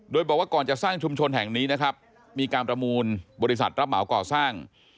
โดยบอกว่าก่อนจะสร้างชุมชนแห่งนี้นะครับมีการประมูลบริษัทรับเหมาก่อสร้าง